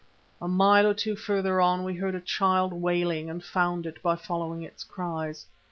A mile or two further on we heard a child wailing and found it by following its cries.